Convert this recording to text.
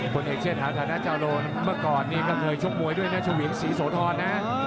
คนเอกเชษฐานธนาจารย์เมื่อก่อนก็เคยชกมวยด้วยนะชวิงศรีโสธรนะ